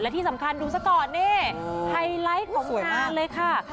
ที่สำคัญดูซะก่อนนี่ไฮไลท์เขาสวยมากเลยค่ะ